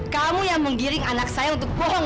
kamu juga ngajarin anak saya untuk bohong ya